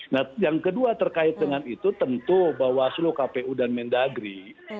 nah yang kedua terkait dengan itu tentu bawaslu kpu dan mendagri